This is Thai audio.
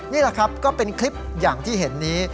นี่แหละครับก็เป็นคลิปอย่างที่เห็นนี้